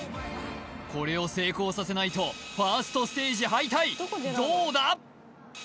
これを成功させないとファーストステージ敗退どうだ！